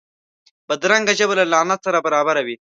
بدرنګه ژبه له لعنت سره برابره وي